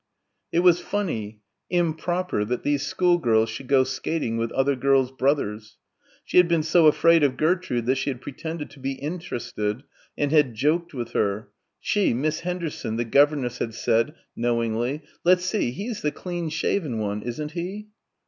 It was funny improper that these schoolgirls should go skating with other girls' brothers. She had been so afraid of Gertrude that she had pretended to be interested and had joked with her she, Miss Henderson, the governess had said knowingly, "Let's see, he's the clean shaven one, isn't he?"